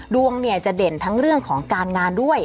ดวงเนี่ยจะเด่นทั้งเรื่องของการงานด้วย